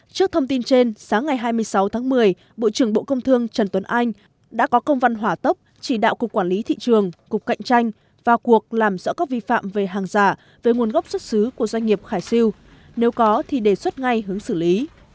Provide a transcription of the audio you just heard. trước thông tin trên sáng ngày hai mươi sáu tháng một mươi bộ trưởng bộ công thương trần tuấn anh đã có công văn hỏa tốc chỉ đạo cục quản lý thị trường cục cạnh tranh vào cuộc làm rõ các vi phạm về hàng giả về nguồn gốc xuất xứ của doanh nghiệp khải siêu nếu có thì đề xuất ngay hướng xử lý